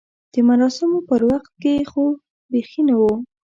د مراسمو پر وخت کې خو بیخي نه و.